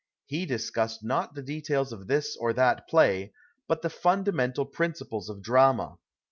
He discussed not the details of this or that play, but the funda mental principles of drama.